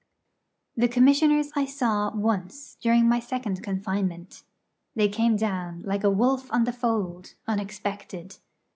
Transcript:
The Commissioners I saw once during my second confinement. They came down, like a wolf on the fold, unexpected.